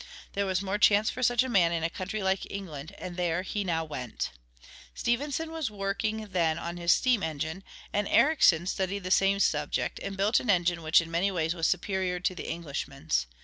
There was more chance for such a man in a country like England, and there he now went. Stephenson was working then on his steam engine, and Ericsson studied the same subject, and built an engine which in many ways was superior to the Englishman's.